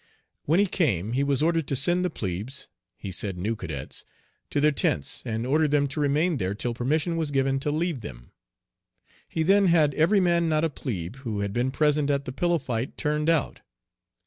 When he came he was ordered to send the plebes he said new cadets to their tents, and order them to remain there till permission was given to leave them. He then had every man, not a plebe, who had been present at the pillow fight turned out.